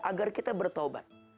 agar kita bertobat